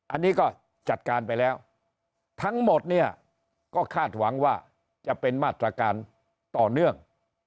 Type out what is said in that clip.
อันนี้ก็จัดการไปแล้วทั้งหมดเนี่ยก็คาดหวังว่าจะเป็นมาตรการต่อเนื่อง